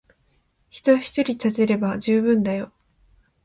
人ひとり立てれば充分だよ。